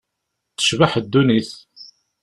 Tecbeḥ ddunit.